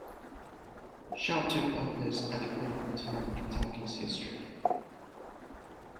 Sharp took office at a critical time Kentucky's history.